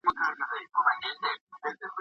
او له مثبتو خلکو سره به یوځای کېږي.